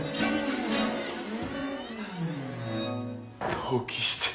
同期してる。